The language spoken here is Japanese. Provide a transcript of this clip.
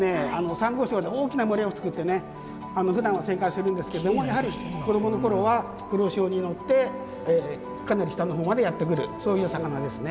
サンゴ礁で大きな群れを作ってねふだんは生活してるんですけどもやはり子どもの頃は黒潮に乗ってかなり下の方までやって来るそういう魚ですね。